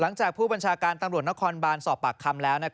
หลังจากผู้บัญชาการตำรวจนครบานสอบปากคำแล้ว